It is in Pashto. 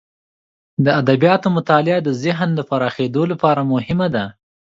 د ادبیاتو مطالعه د ذهن د پراخیدو لپاره مهمه ده.